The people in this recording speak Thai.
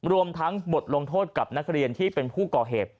รวมทั้งบทลงโทษกับนักเรียนที่เป็นผู้ก่อเหตุ